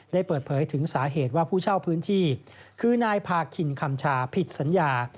ได้เปิดเผยถึงสาเหตุว่าผู้เช่าพื้นที่คือนายพาคินคำชาผิดสัญญา